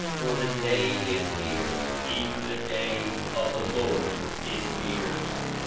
For the day is near, even the day of the Lord is near.'